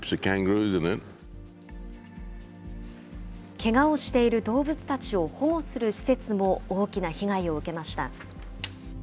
けがをしている動物たちを保護する施設も大きな被害を受けました。